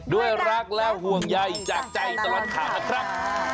ด้วยรักและห่วงใยจากใจตลอดข่าวนะครับ